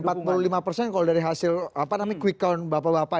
kalau dari hasil quick count bapak bapak